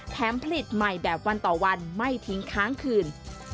ผลิตใหม่แบบวันต่อวันไม่ทิ้งค้างคืน